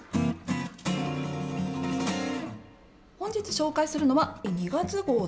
本日紹介するのは２月号！